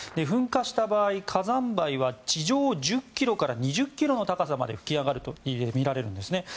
噴火した場合火山灰は地上１０ｋｍから２０ｋｍの高さまで噴き上がるとみられるんですね。